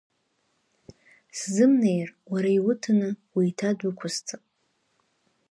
Сзымнеир, уара иуҭаны уеиҭадәықәысҵап.